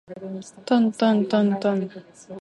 とんとんとんとん